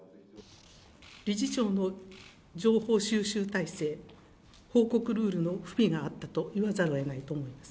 理事長の情報収集体制、報告ルールの不備があったと言わざるをえないと思います。